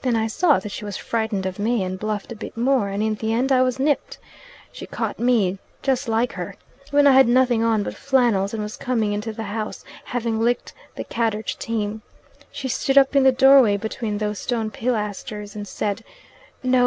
Then I saw that she was frightened of me, and bluffed a bit more, and in the end I was nipped. She caught me just like her! when I had nothing on but flannels, and was coming into the house, having licked the Cadchurch team. She stood up in the doorway between those stone pilasters and said, 'No!